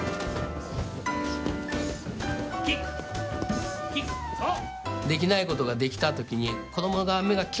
キックキックそう。